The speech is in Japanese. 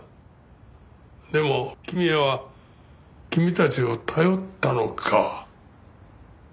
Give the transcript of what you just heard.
でも公也は君たちを頼ったのか。